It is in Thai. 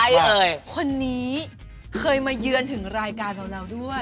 เอ่ยคนนี้เคยมาเยือนถึงรายการเราด้วย